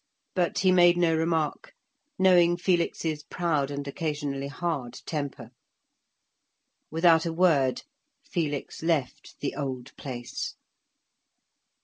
But he made no remark, knowing Felix's proud and occasionally hard temper. Without a word Felix left the old place.